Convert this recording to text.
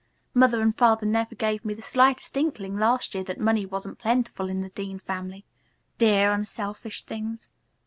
Mother and Father never gave me the slightest inkling last year that money wasn't plentiful in the Dean family. Dear, unselfish things!